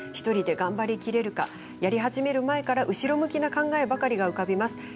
１人で頑張りきれるかやり始める前から、後ろ向きな考えばかりが浮かびます。